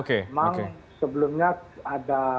memang sebelumnya ada